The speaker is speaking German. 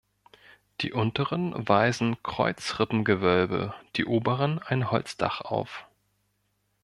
Die unteren weisen Kreuzrippengewölbe, die oberen ein Holzdach auf.